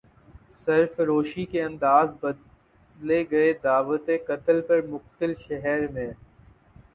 سرفروشی کے انداز بدلے گئے دعوت قتل پر مقتل شہر میں